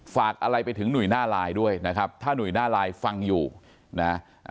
ฝากอะไรไปถึงหนุ่ยหน้าไลน์ด้วยนะครับถ้าหนุ่ยหน้าไลน์ฟังอยู่นะ